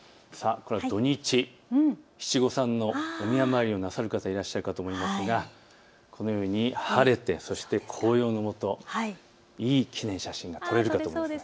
これは土日、七五三のお宮参りをなさる方いらっしゃるかと思いますがこのように晴れてそして紅葉のもといい記念写真が撮れるかと思います。